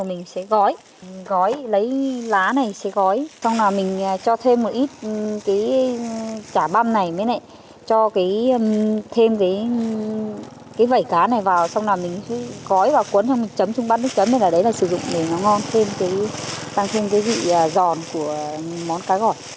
rồi mình sẽ gói gói lấy lá này sẽ gói xong rồi mình cho thêm một ít cái chả băm này mới này cho cái thêm cái vẩy cá này vào xong rồi mình gói và cuốn xong mình chấm trong bát nước chấm này là đấy là sử dụng để nó ngon thêm cái tăng thêm cái vị giòn của món cá gỏi